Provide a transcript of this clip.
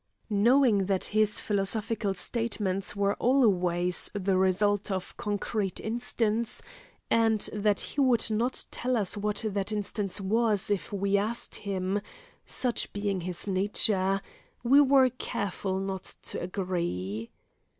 Knowing that his philosophical statements were always the result of concrete instance, and that he would not tell us what that instance was if we asked him—such being his nature—we were careful not to agree.